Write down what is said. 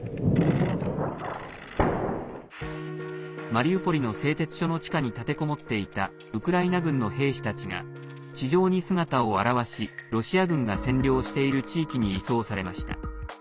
マリウポリの製鉄所の地下に立てこもっていたウクライナ軍の兵士たちが地上に姿を現しロシア軍が占領している地域に移送されました。